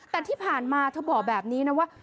แต่ที่ผ่านมาเธอบอกแบบนี้นะว่า